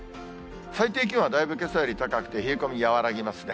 最低気温はだいぶけさより高くて、冷え込み和らぎますね。